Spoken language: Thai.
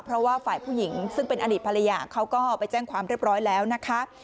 เพราะว่าฝ่ายผู้หญิงซึ่งเป็นอดีตภรรยาเขาก็ไปแจ้งความเรียบร้อยแล้วนะคะ